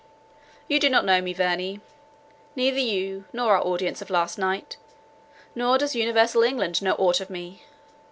You do not know me, Verney; neither you, nor our audience of last night, nor does universal England know aught of me.